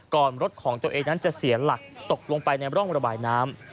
รถของตัวเองนั้นจะเสียหลักตกลงไปในร่องระบายน้ำ